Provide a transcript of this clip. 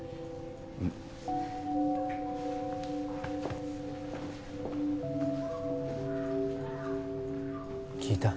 うん聞いた？